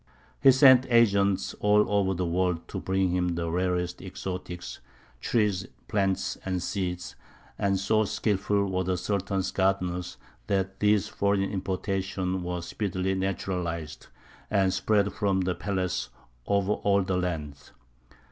He sent agents all over the world to bring him the rarest exotics, trees, plants, and seeds; and so skilful were the Sultan's gardeners that these foreign importations were speedily naturalized, and spread from the palace over all the land.